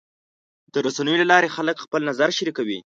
د رسنیو له لارې خلک خپل نظر شریکوي.